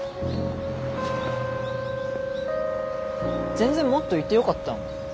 全然もっといてよかったのに。